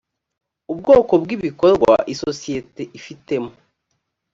ubwoko bw ibikorwa isosiyete ifitemo